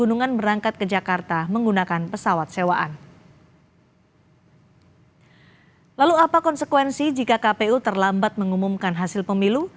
lalu apa konsekuensi jika kpu terlambat mengumumkan hasil pemilu